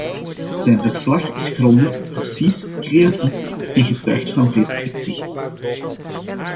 Zijn verslag is grondig, precies, creatief en getuigt van veel inzicht.